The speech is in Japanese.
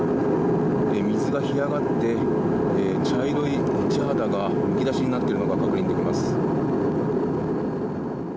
水が干上がって、茶色い地肌がむき出しになっているのが確認できます。